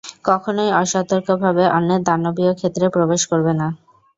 কখনই অসতর্কভাবে অন্যের দানবীয় ক্ষেত্রে প্রবেশ করবে না।